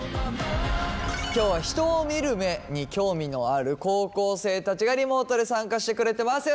今日は人を見る目に興味のある高校生たちがリモートで参加してくれてます。